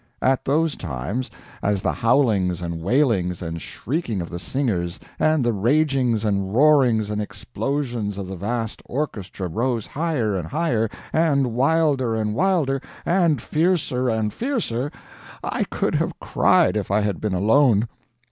At those times, as the howlings and wailings and shrieking of the singers, and the ragings and roarings and explosions of the vast orchestra rose higher and higher, and wilder and wilder, and fiercer and fiercer, I could have cried if I had been alone.